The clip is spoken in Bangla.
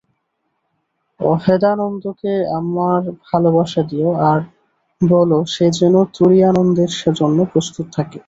অভেদানন্দকে আমার ভালবাসা দিও, আর বল সে যেন তুরীয়ানন্দের জন্য প্রস্তত থাকে।